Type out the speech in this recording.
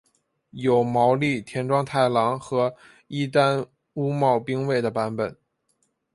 有毛利田庄太郎和伊丹屋茂兵卫的版本。